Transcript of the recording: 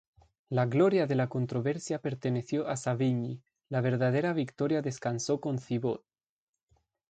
La gloria de la controversia perteneció a Savigny; la verdadera victoria descansó con Thibaut.